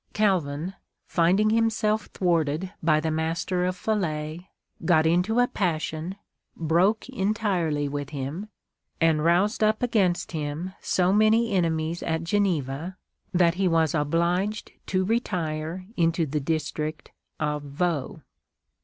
Calvin find ing himself thwarted by the Master of Falais, got into a passion, broke entirely with him, and roused up against him so many enemies at Geneva, that he was obliged to retire into the district of Vaud.